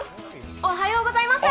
おはようございます。